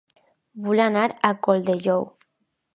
Vull anar a Colldejou